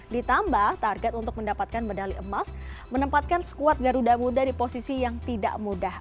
ditambah target untuk mendapatkan medali emas menempatkan skuad garuda muda di posisi yang tidak mudah